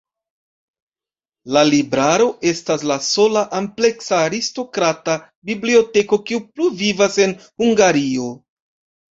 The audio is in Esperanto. La libraro estas la sola ampleksa aristokrata biblioteko, kiu pluvivas en Hungario.